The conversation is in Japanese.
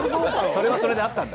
それはそれであったんだ。